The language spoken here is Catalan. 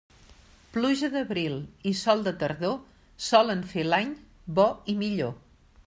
Pluja d'abril i sol de tardor, solen fer l'any bo i millor.